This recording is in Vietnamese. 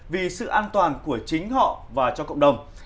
vì sự an toàn của chính họ và cho cộng đồng